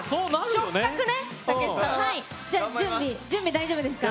大丈夫ですか？